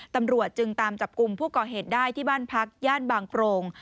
ตำรวจจึงตามจับกลุ่มผู้ก่อเหตุได้ที่บ้านพักย่านบางโพรง